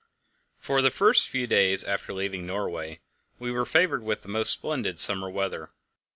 For the first few days after leaving Norway we were favoured with the most splendid summer weather.